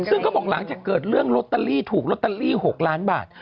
ซึ่งเขาบอกหลังจากเกิดเรื่องลอตเตอรี่ถูกลอตเตอรี่๖ล้านบาท